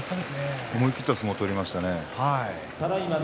思い切った相撲を取りましたね。